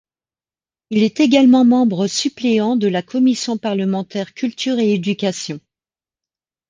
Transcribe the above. Il est également membre suppléant de la commission parlementaire Culture et éducation.